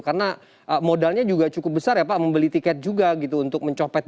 karena modalnya juga cukup besar ya pak membeli tiket juga gitu untuk mencopet